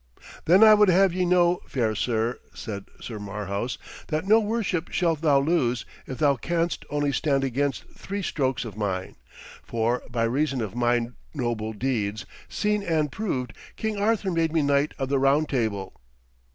'Then I would have ye know, fair sir,' said Sir Marhaus, 'that no worship shalt thou lose if thou canst only stand against three strokes of mine, for, by reason of my noble deeds, seen and proved, King Arthur made me knight of the Round Table.'